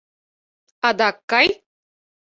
— Адак кай.